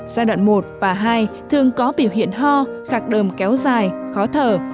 giai đoạn một và hai thường có biểu hiện ho khạc đơm kéo dài khó thở